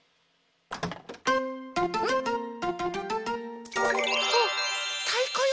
ん？あったいこよ。